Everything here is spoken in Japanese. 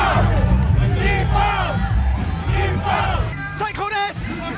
最高です！